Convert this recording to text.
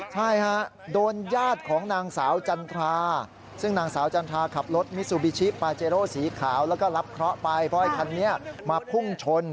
ก็รับเคราะห์ไปเพราะไอ้คันนี้มาพุ่งชน